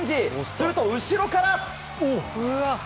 すると後ろから！